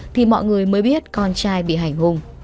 thì mọi người mới biết con trai bị hành hùng